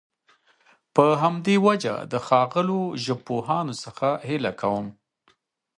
په همدي وجه د ښاغلو ژبپوهانو څخه هيله کوم